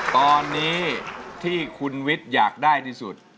ตอนนี้ที่คุณวิทย์อยากได้ที่สุด